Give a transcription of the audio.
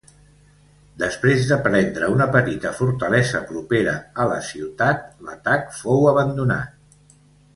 Després de prendre una petita fortalesa propera a la ciutat, l'atac fou abandonat.